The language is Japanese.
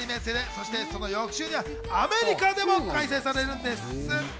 そして、その翌週にはアメリカでも開催されるんです。